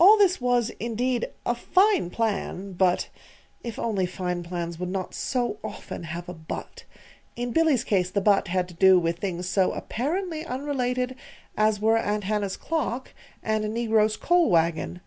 All this was, indeed, a fine plan; but (If only fine plans would not so often have a "but"!) In Billy's case the "but" had to do with things so apparently unrelated as were Aunt Hannah's clock and a negro's coal wagon.